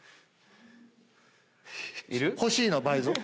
欲しいの倍増。